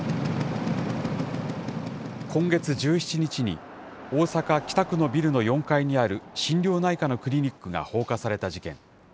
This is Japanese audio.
今月１７日に、大阪・北区のビルの４階にある心療内科のクリニックが放火された事件。